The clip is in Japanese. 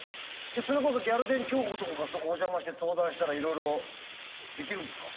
じゃそれこそギャル電きょうことかがそこお邪魔して相談したらいろいろできるんですか？